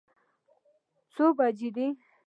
څو بجې دي.